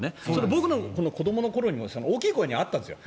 僕の子どもの頃にも大きい公園にはあったんですよ。